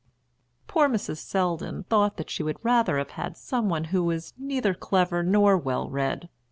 Poor Mrs. Selldon thought that she would rather have had some one who was neither clever nor well read.